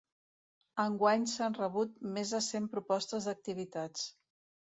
Enguany s'han rebut més de cent propostes d'activitats.